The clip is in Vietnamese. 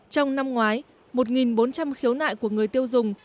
trong năm ngoái một bốn trăm linh khiếu nại của người tiêu dùng